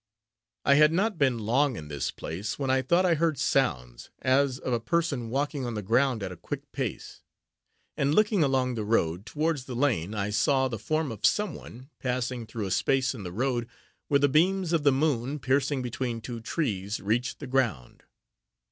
I had not been long in this place, when I thought I heard sounds, as of a person walking on the ground at a quick pace; and looking along the road, towards the lane I saw the form of some one, passing through a space in the road, where the beams of the moon, piercing between two trees, reached the ground.